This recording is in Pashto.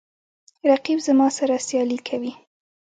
رقیب زما سره سیالي کوي